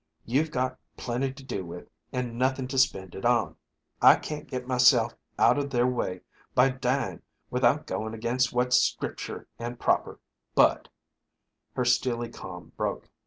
You've got plenty to do with, and nothing to spend it on. I can't get myself out of their way by dying without going against what's Scripture and proper, but " Her steely calm broke.